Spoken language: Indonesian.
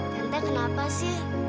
tante kenapa sih